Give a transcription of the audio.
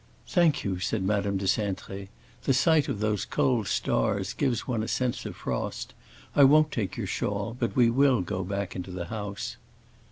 "Thank you," said Madame de Cintré, "the sight of those cold stars gives one a sense of frost. I won't take your shawl, but we will go back into the house."